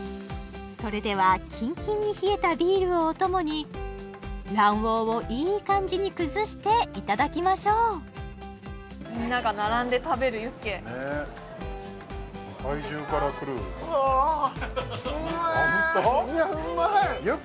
それではキンキンに冷えたビールをお供に卵黄をいい感じに崩していただきましょうみんなが並んで食べるユッケうおおっうんめえいやうんまいああホント？